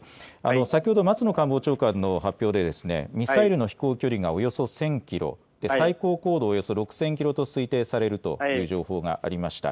先ほど松野官房長官の発表で、ミサイルの飛行距離がおよそ１０００キロ、最高高度およそ６０００キロと推定されるという情報がありました。